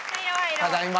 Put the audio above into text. ただいま。